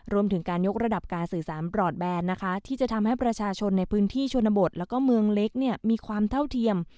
รวมถึงการยกระดับการสื่อสารปลอดแบนนะคะที่จะทำให้ประชาชนในพื้นที่ชนบทแล้วก็เมืองเล็กเนี่ยมีความเท่าเทียม